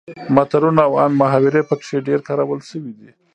متلونه او عامې محاورې پکې ډیر کارول شوي دي